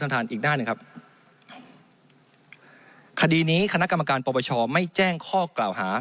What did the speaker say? ท่านท่านอีกด้านหนึ่งครับคดีนี้คณะกรรมการปปชไม่แจ้งข้อกล่าวหา